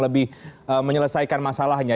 lebih menyelesaikan masalahnya